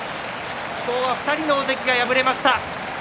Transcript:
今日は２人の大関が敗れました。